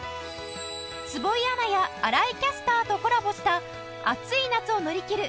坪井アナや新井キャスターとコラボした暑い夏を乗り切る